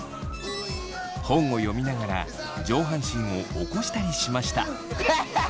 本を読みながら上半身を起こしたりしました。